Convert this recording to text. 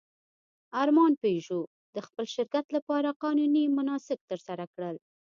ارمان پيژو د خپل شرکت لپاره قانوني مناسک ترسره کړل.